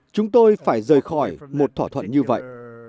chúng tôi phải rời khỏi một thỏa thuận như vậy